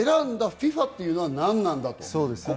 そこを選んだ、ＦＩＦＡというのは何なんだと。